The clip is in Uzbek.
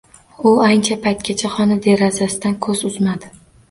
U ancha paytgacha xona derazasidan ko‘z uzmadi.